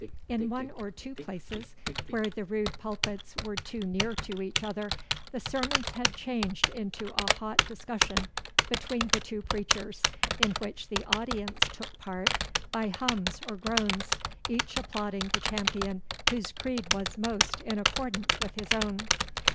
In one or two places, where the rude pulpits were too near to each other, the sermons had changed into a hot discussion between the two preachers, in which the audience took part by hums or groans, each applauding the champion whose creed was most in accordance with his own.